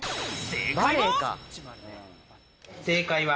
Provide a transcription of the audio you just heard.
正解は。